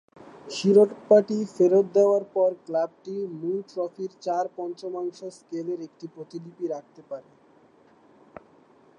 শিরোপাটি ফেরত দেওয়ার পর, ক্লাবটি মূল ট্রফির চার-পঞ্চমাংশ স্কেলের একটি প্রতিলিপি রাখতে পারে।